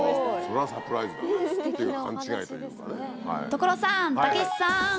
所さんたけしさん！